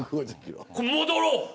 戻ろう。